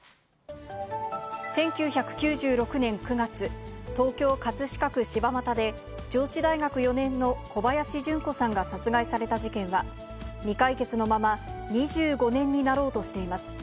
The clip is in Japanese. １９９６年９月、東京・葛飾区柴又で、上智大学４年の小林順子さんが殺害された事件は、未解決のまま２５年になろうとしています。